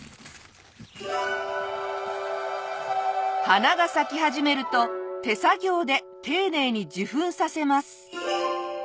花が咲き始めると手作業で丁寧に受粉させます。